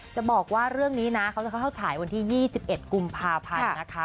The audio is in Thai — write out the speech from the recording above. จะบอกว่าเรื่องนี้นะเขาจะเข้าฉายวันที่๒๑กุมภาพันธ์นะคะ